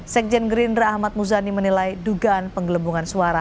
sekjen gerindra ahmad muzani menilai dugaan penggelembungan suara